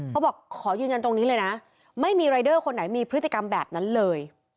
ขอยืนยันตรงนี้เลยนะไม่มีรายเดอร์คนไหนมีพฤติกรรมแบบนั้นเลย